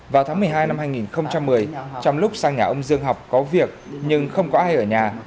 vào tháng một mươi hai năm hai nghìn một mươi trong lúc sang nhà ông dương học có việc nhưng không có ai ở nhà